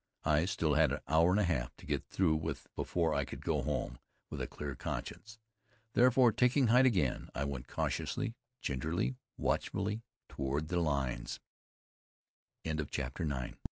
I had still an hour and a half to get through with before I could go home with a clear conscience. Therefore, taking height again, I went cautiously, gingerly, watchfully, toward